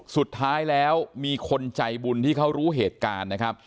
สุดท้ายแล้วมีคนใจบุญที่เขารู้เหตุการณ์นะครับ